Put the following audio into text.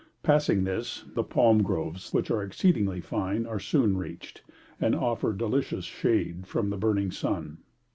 Passing this, the palm groves, which are exceedingly fine, are soon reached, and offer delicious shade from the burning sun.